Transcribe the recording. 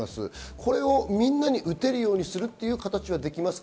これをみんなに打てるようにするっていう形はできますか？